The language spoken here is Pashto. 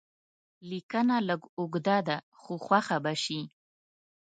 لیکنه لږ اوږده ده خو خوښه به شي.